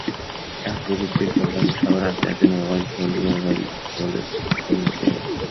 এখন প্রযুক্তির কল্যাণে সবার হাতে হাতে মোবাইল, মোবাইল ফোনের সঙ্গে ক্যামেরা।